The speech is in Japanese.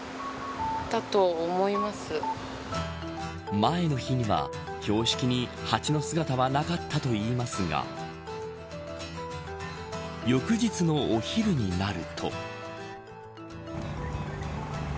前の日には標識に蜂の姿はなかったといいますが翌日のお昼になると。